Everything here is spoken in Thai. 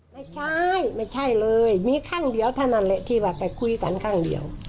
ไม่ใช่ไม่ใช่เลยมีครั้งเดียวเท่านั้นแหละที่ว่าไปคุยกันข้างเดียว